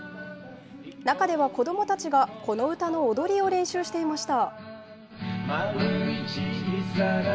中では子どもたちがこの歌の踊りを練習していました。